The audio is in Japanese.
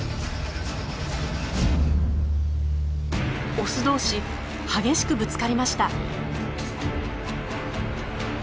オス同士激しくぶつかりました。